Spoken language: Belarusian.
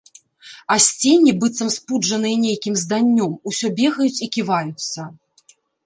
А сцені, быццам спуджаныя нейкім зданнём, усё бегаюць і ківаюцца.